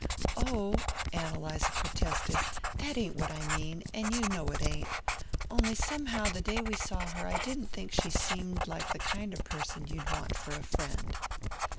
"Oh," Ann Eliza protested, "that ain't what I mean and you know it ain't. Only somehow the day we saw her I didn't think she seemed like the kinder person you'd want for a friend."